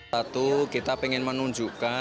satu kita ingin menunjuk